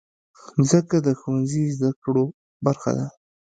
مځکه د ښوونځي زدهکړو برخه ده.